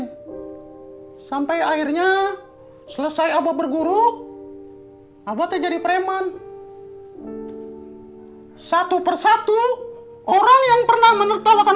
hai sampai akhirnya selesai abah berguru abad jadi preman satu persatu orang yang pernah menertawakan